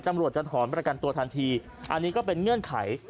ตำรวจจะถอนประกันตัวทันทีอันนี้ก็เป็นเงื่อนไข